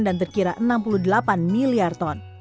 dan terkira enam puluh delapan miliar ton